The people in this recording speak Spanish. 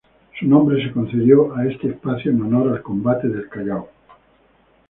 Su nombre se concedió a este espacio en honor al combate del Callao.